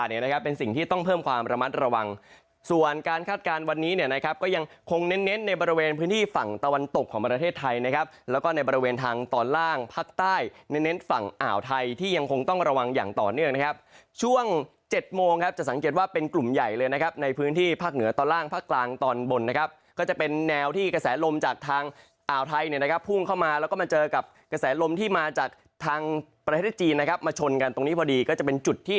แล้วก็ในบริเวณทางตอนล่างภาคใต้ในเน้นฝั่งอ่าวไทยที่ยังคงต้องระวังอย่างต่อเนื่องนะครับช่วง๗โมงครับจะสังเกตว่าเป็นกลุ่มใหญ่เลยนะครับในพื้นที่ภาคเหนือตอนล่างภาคกลางตอนบนนะครับก็จะเป็นแนวที่กระแสลมจากทางอ่าวไทยเนี่ยนะครับพุ่งเข้ามาแล้วก็มาเจอกับกระแสลมที่มาจากทางประเทศจีน